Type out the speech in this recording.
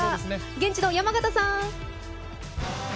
現地の山形さん。